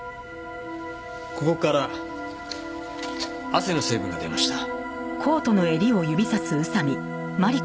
ここから汗の成分が出ました。